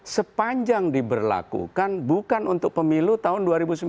sepanjang diberlakukan bukan untuk pemilu tahun dua ribu sembilan belas